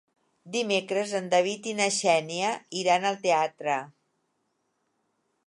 Dimecres en David i na Xènia iran al teatre.